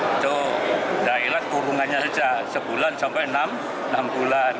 itu daerah hubungannya sejak sebulan sampai enam bulan